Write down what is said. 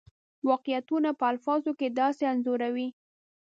واقعیتونه په الفاظو کې داسې انځوروي.